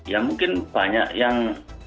ya mungkin banyak yang